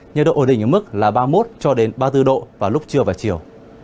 nhiệt độ ổn định ở mức là ba mươi một cho đến ba mươi bốn độ vào lúc trưa và chiều